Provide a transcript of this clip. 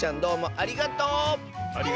ありがとう！